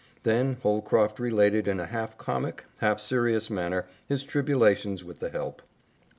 Then Holcroft related in a half comic, half serious manner his tribulations with the help.